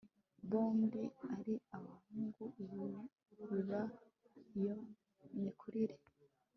bombi ari abahungu ibi biba iyo mu mikurire